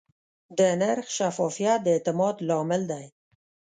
د نرخ شفافیت د اعتماد لامل دی.